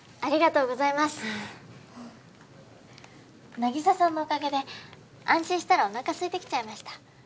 凪沙さんのおかげで安心したらお腹すいてきちゃいました。